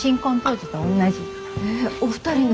えっお二人の？